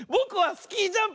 スキージャンプ！